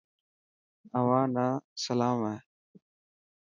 اوهان نا سلام هي.